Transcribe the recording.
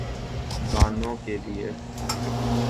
گانوں کیلئے۔